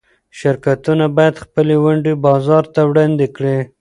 شرکتونه باید خپلې ونډې بازار ته وړاندې کړي.